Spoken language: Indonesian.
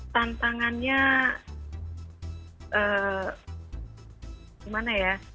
tantangannya gimana ya